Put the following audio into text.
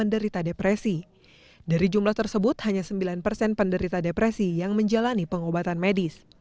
dari jumlah tersebut hanya sembilan persen penderita depresi yang menjalani pengobatan medis